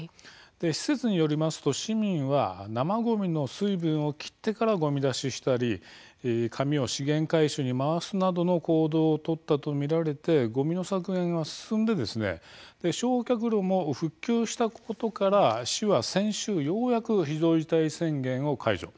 施設によりますと市民は生ごみの水分を切ってからごみ出ししたり紙を資源回収に回すなどの行動を取ったと見られてごみ削減が進んで焼却炉も復旧したことから市は先週、ようやく非常事態宣言を解除。